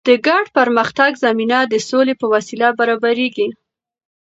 د ګډ پرمختګ زمینه د سولې په وسیله برابریږي.